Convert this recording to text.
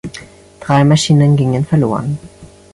Drei Maschinen gingen verloren.